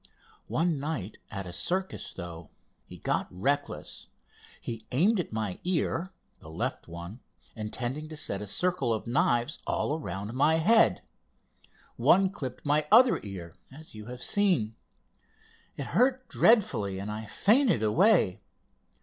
One night at a circus, though, he got reckless. He aimed at my ear—the left one—intending to set a circle of knives all around my head. One clipped my other ear, as you have seen. It hurt dreadfully, and I fainted away.